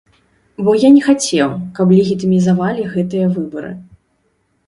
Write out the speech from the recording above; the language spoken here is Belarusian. Бо я не хацеў, каб легітымізавалі гэтыя выбары.